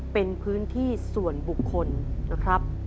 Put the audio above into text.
เป็นพื้นที่ส่วนบุคคลนะครับ